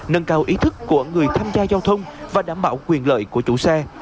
nâng cao ý thức của người tham gia giao thông và đảm bảo quyền lợi của chủ xe